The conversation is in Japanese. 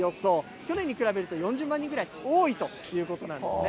去年に比べると４０万人ぐらい多いということなんですね。